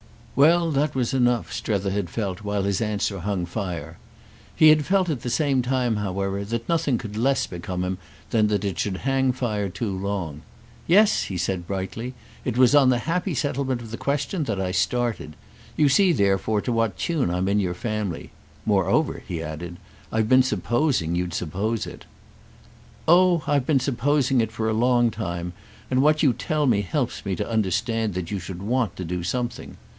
Well, that was enough, Strether had felt while his answer hung fire. He had felt at the same time, however, that nothing could less become him than that it should hang fire too long. "Yes," he said brightly, "it was on the happy settlement of the question that I started. You see therefore to what tune I'm in your family. Moreover," he added, "I've been supposing you'd suppose it." "Oh I've been supposing it for a long time, and what you tell me helps me to understand that you should want to do something.